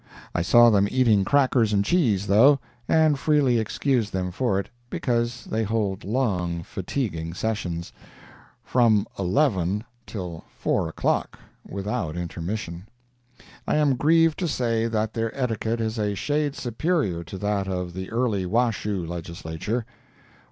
I saw them eating crackers and cheese, though, and freely excused them for it, because they hold long, fatiguing sessions—from 11 till 4 o'clock, without intermission. I am grieved to say that their etiquette is a shade superior to that of the early Washoe Legislature.